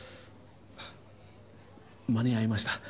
間に合いました。